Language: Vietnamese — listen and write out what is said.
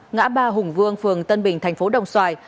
ngã ba hùng vương phường tân bình tp đồng xoài